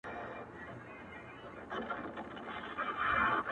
چي ګلاب وي غوړېدلی د سنځلي بوی لګیږي٫